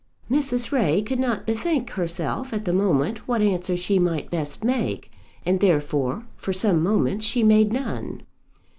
Mrs. Ray could not bethink herself at the moment what answer she might best make, and therefore for some moments she made none.